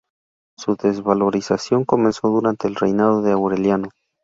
Su desvalorización comenzó durante el reinado de Aureliano.